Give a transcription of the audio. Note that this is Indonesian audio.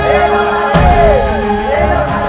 perasaan semua saping kayak gini